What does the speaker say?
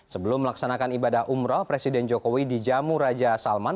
sebelum melaksanakan ibadah umrah presiden jokowi di jamu raja salman